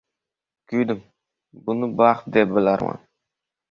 Kuydim, buni baxt deb bilarman.